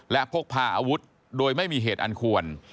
และพกพาอาวุธโดยไม่มีเหตุอันควร